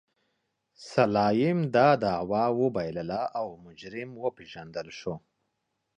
سلایم دا دعوه وبایلله او مجرم وپېژندل شو.